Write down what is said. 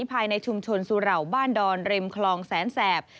ภายในชุมชนสุเหล่าบ้านดอนริมคลองแสนแสบ